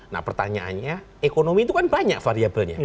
nah pertanyaannya ekonomi itu kan banyak variabelnya